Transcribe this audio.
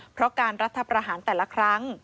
เพราะการรัฐประหารแต่ละครั้ง